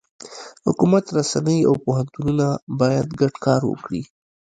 حکومت، رسنۍ، او پوهنتونونه باید ګډ کار وکړي.